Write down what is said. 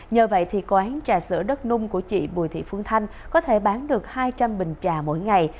nhờ vậy quán trà sữa đất nung của chị bùi thị phương thanh có thể bán được hai trăm linh bình trà mỗi ngày